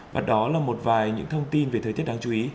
và đó là một vài những thông tin về thời tiết đáng chú ý